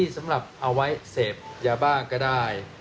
สำหรับเอาไว้เสพยาบ้าก็ได้